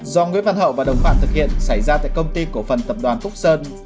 do nguyễn văn hậu và đồng phạm thực hiện xảy ra tại công ty cổ phần tập đoàn phúc sơn